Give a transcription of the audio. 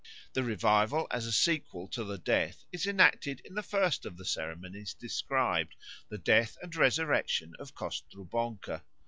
The revival as a sequel to the death is enacted in the first of the ceremonies described, the death and resurrection of Kostrubonko.